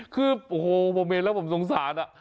คือโหผมเห็นแล้วผมสงสารอ่ะ